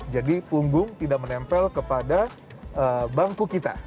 jadi punggung tidak menempel kepada bangku kita